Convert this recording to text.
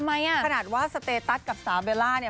อ่ะขนาดว่าสเตตัสกับสาวเบลล่าเนี่ย